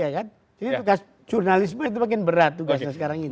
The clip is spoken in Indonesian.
ya jadi kakak jurnalisme itu makin berat tugasnya sekarang ini